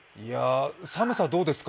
寒さどうですか？